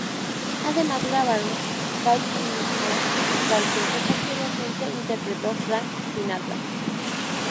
Además, grabaron "Five Minutes More", canción que posteriormente interpretó Frank Sinatra.